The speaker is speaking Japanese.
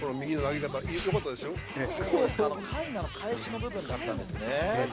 かいなの返しの部分だったんですね。